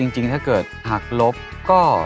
จริงถ้าเกิดหักลบก็